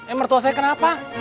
eh mertua saya kenapa